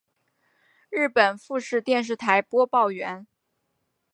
日本富士电视台播报员。